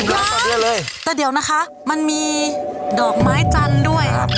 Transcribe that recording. ๑๐ล้านแต่เดี๋ยวนะคะมันมีดอกไม้จันทร์ด้วย